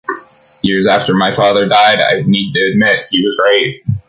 Years after my father died I need to admit: He was right.